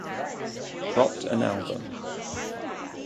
Dropped an album.